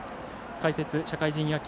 解説は社会人野球